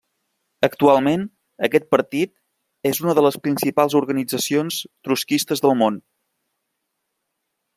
Actualment aquest partit és una de les principals organitzacions trotskistes del món.